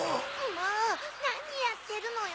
もうなにやってるのよ！